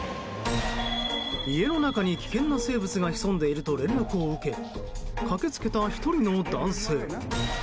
家の中に危険な生物が潜んでいると連絡を受け駆け付けた１人の男性。